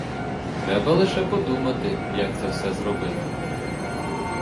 Треба лише подумати, як це все зробити.